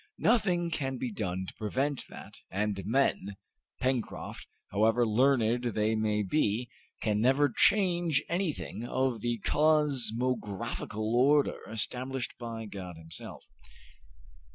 Nothing can be done to prevent that, and men, Pencroft, however learned they may be, can never change anything of the cosmographical order established by God Himself."